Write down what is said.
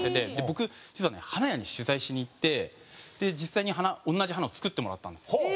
僕実は花屋に取材しに行って実際に花同じ花を作ってもらったんですよ。